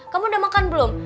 kamu udah makan belum